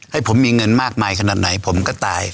ให้ผมมีเงินมากมายขนาดไหนผมก็ตาย